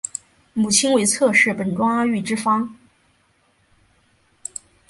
母亲为侧室本庄阿玉之方。